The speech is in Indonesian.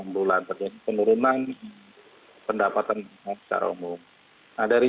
dan kita turun seperti itu ya dari satu lima tiga lima